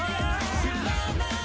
「知らない」